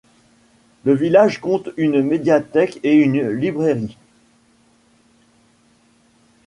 Le village compte une médiathèque et une librairie.